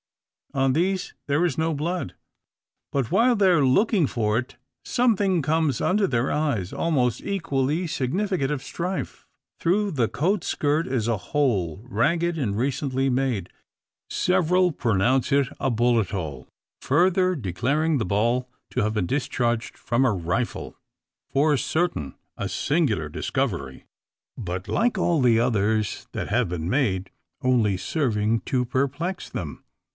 On these there is no blood; but while they are looking for it, something comes under their eyes, almost equally significant of strife. Through the coat skirt is a hole, ragged, and recently made. Several pronounce it a bullet hole; further declaring the ball to have been discharged from a rifle. For certain, a singular discovery! But like all the others that have been made, only serving to perplex them.